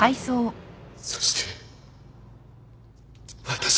そして私も